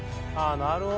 なるほど！